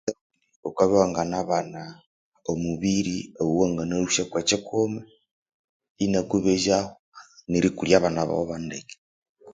Ukabya iwanganabana omubiri owa wanginalhusyako kyikumi inyakubezya'ho neri kulya abana baghu bandeke